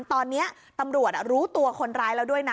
ตอนนี้ตำรวจรู้ตัวคนร้ายแล้วด้วยนะ